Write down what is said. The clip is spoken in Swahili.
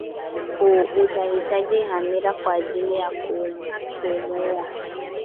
Utahitaji hamira kwa ajili ya kuumua